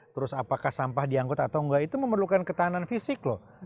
terus apakah sampah diangkut atau enggak itu memerlukan ketahanan fisik loh